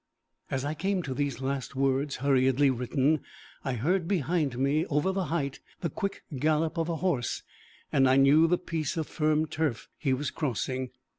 As I came to these last words, hurriedly written, I heard behind me, over the height, the quick gallop of a horse, and knew the piece of firm turf he was crossing.